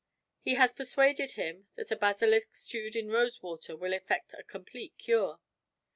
He has persuaded him that a basilisk stewed in rose water will effect a complete cure.